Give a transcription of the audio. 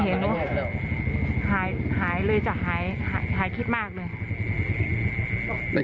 ไม่ยอมไปไม่มีใครช่วยเราเลย